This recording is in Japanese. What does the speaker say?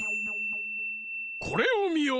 これをみよ！